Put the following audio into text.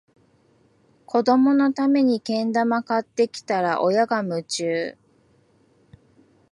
子どものためにけん玉買ってきたら、親が夢中